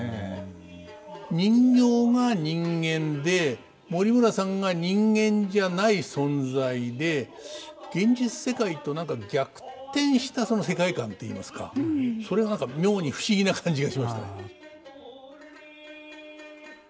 人形が人間で森村さんが人間じゃない存在で現実世界と何か逆転したその世界観といいますかそれが何か妙に不思議な感じがしましたね。